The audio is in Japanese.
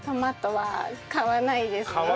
買わないですよね。